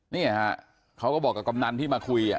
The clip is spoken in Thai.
เนี่ยฮะเขาก็บอกกับกำนันที่มาคุย